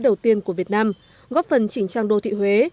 đầu tiên của việt nam góp phần chỉnh trang đô thị huế